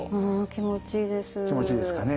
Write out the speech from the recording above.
気持ちいいですかね。